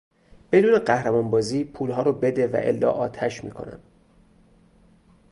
بدون قهرمان بازی پولها را بده و الا آتش میکنم!